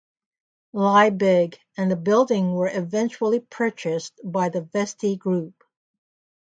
Liebig and the building were eventually purchased by the Vestey Group.